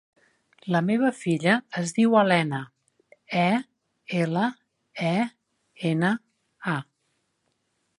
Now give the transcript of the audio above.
La meva filla es diu Elena: e, ela, e, ena, a.